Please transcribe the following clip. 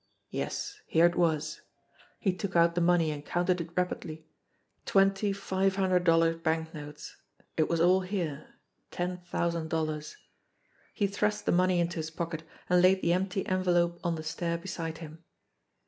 Yes, here it was! He took THE HOUSE WITH THE BROKEN STAIRS 95 out the money and counted it rapidly twenty five hundred dollar banknotes. It was all here ten thousand dollars. He thrust the money into his pocket, and laid the empty envelope on the stair beside him.